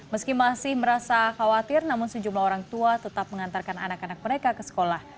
meski masih merasa khawatir namun sejumlah orang tua tetap mengantarkan anak anak mereka ke sekolah